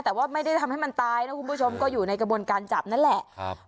แต่ว่าไม่ได้ทำให้มันตายนะคุณผู้ชมก็อยู่ในกระบวนการจับนั่นแหละครับ